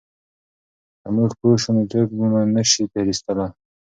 که موږ پوه سو نو څوک مو نه سي تېر ایستلای.